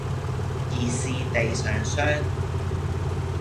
疑是地上霜